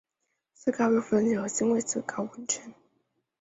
穗高岳附近有新穗高温泉。